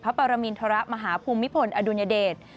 พระปรมิณฑระมหาภูมิภลอดุญเดช